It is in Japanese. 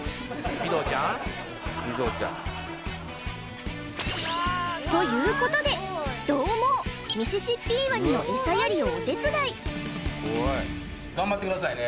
ミドウちゃんということでどう猛ミシシッピーワニのエサやりをお手伝い頑張ってくださいね